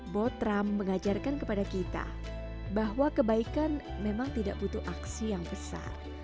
botram mengajarkan kepada kita bahwa kebaikan memang tidak butuh aksi yang besar